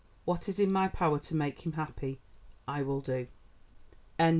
What is in my power to make him happy, I will do."